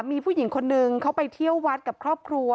มีผู้หญิงคนนึงเขาไปเที่ยววัดกับครอบครัว